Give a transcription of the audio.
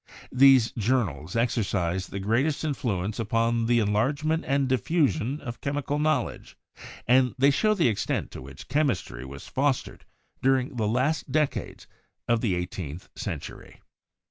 These journals exercised the greatest influence upon the enlargement and diffusion of chemical knowledge, and they show the extent to which chemistry was fostered during the last decades of the eighteenth century.